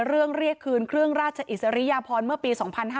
เรียกคืนเครื่องราชอิสริยพรเมื่อปี๒๕๕๙